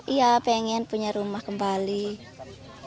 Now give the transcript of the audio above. iya pengen punya rumah kembali